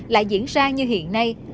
lại diễn ra như hiện nay